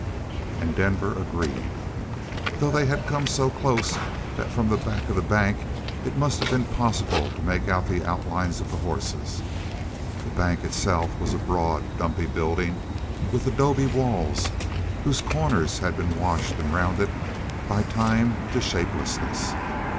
And Denver agreed, though they had come so close that from the back of the bank it must have been possible to make out the outlines of the horses. The bank itself was a broad, dumpy building with adobe walls, whose corners had been washed and rounded by time to shapelessness.